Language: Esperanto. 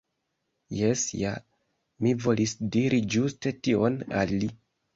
Jes ja, mi volis diri ĝuste tion al li.